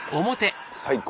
最高。